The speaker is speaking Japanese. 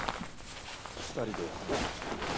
２人で話がしたい。